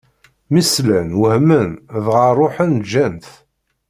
Mi slan, wehmen, dɣa ṛuḥen ǧǧan-t.